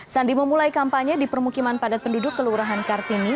sandi memulai kampanye di permukiman padat penduduk kelurahan kartini